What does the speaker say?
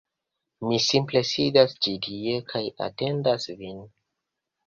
Mi simple sidas ĉi tie kaj atendas vin